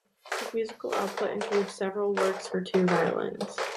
His musical output includes several works for two violins.